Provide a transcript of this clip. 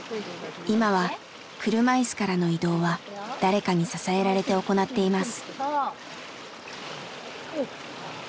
今は車いすからの移動は誰かに支えられて行っています。